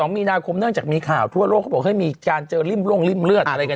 มีนาคมเนื่องจากมีข่าวทั่วโลกเขาบอกให้มีการเจอริ่มร่งริ่มเลือดอะไรกัน